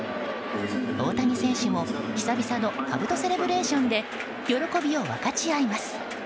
大谷選手も久々の兜セレブレーションで喜びを分かち合います。